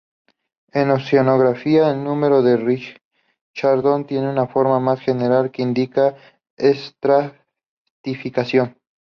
En oceanografía, el número de Richardson tiene una forma más general que indica estratificación.